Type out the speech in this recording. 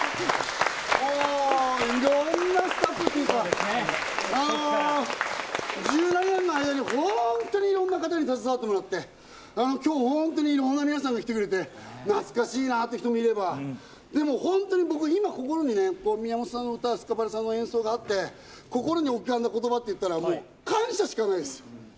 もう、いろんなスタッフ、１７年の間に本当にいろんな方に携わってもらって、今日本当にいろんな皆さんが来てくれて、懐かしいなって人もいれば、本当に今、心にね、宮本さん、スカパラさんの演奏があって、言葉って言ったらもう感謝しかないです。